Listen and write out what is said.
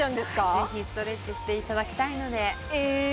是非ストレッチしていただきたいのでええー！？